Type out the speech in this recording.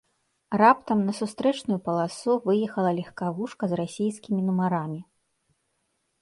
Раптам на сустрэчную паласу выехала легкавушка з расійскімі нумарамі.